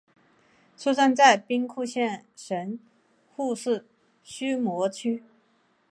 出生在兵库县神户市须磨区。